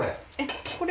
これ。